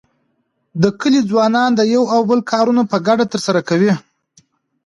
د کلي ځوانان د یو او بل کارونه په ګډه تر سره کوي.